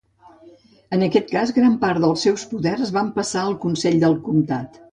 En aquest cas, gran part del seus poders van passar al consell del comtat.